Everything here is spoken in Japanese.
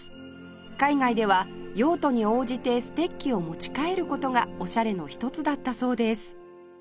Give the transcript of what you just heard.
海外では用途に応じてステッキを持ち替える事がおしゃれの一つだったそうです